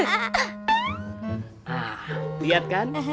nah liat kan